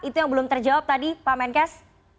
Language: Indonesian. itu yang belum terjawab tadi pak menkes